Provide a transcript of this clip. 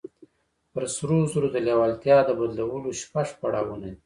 پر سرو زرو د لېوالتیا د بدلولو شپږ پړاوونه دي.